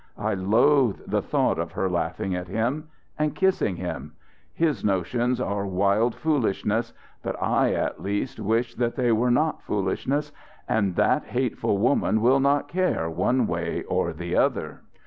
I loathe the thought of her laughing at him and kissing him! His notions are wild foolishness; but I at least wish that they were not foolishness, and that hateful woman will not care one way or the other."